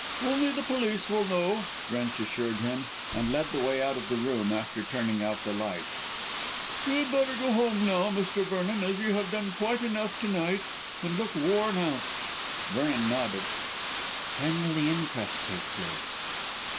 "Only the police will know," Drench assured him, and led the way out of the room, after turning out the lights. "You'd better go home now, Mr. Vernon, as you have done quite enough to night, and look worn out." Vernon nodded. "When will the inquest take place?"